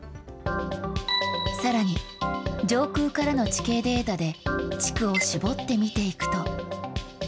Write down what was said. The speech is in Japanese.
さらに、上空からの地形データで、地区を絞って見ていくと。